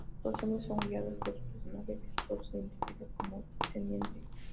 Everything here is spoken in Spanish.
Los hombres son guiados por un personaje que solo se identifica como "el Teniente".